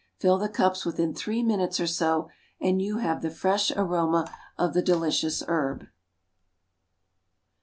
Fill the cups within three minutes or so and you have the fresh aroma of the delicious herb.